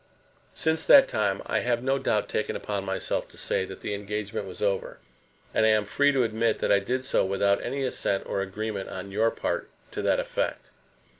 Since that time I have no doubt taken upon myself to say that that engagement was over; and I am free to admit that I did so without any assent or agreement on your part to that effect.